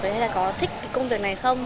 với hay là có thích công việc này không